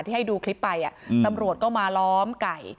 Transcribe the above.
ให้ดูคลิปไปตำรวจก็มาล้อมไก่